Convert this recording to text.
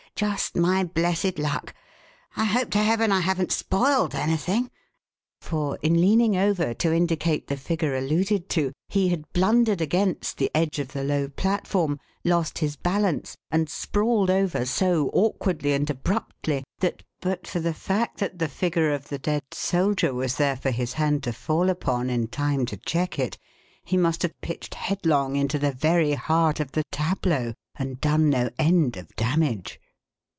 just my blessed luck! I hope to heaven I haven't spoilt anything!" For, in leaning over to indicate the figure alluded to, he had blundered against the edge of the low platform, lost his balance, and sprawled over so awkwardly and abruptly that, but for the fact that the figure of the dead soldier was there for his hand to fall upon in time to check it, he must have pitched headlong into the very heart of the tableau, and done no end of damage.